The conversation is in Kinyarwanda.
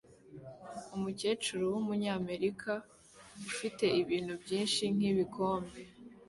Umukecuru wumunyamerika ufite ibintu byinshi nkibikombe